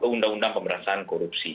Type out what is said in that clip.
undang undang pemberasaan korupsi